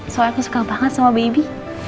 soal aku suka banget sama baby